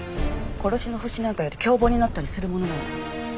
殺しのホシなんかより凶暴になったりするものなの。